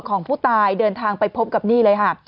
ของผู้ตายเดินทางไปพบกับนี่เลยค่ะ